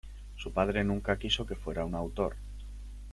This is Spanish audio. Su padre nunca quiso que fuera un autor.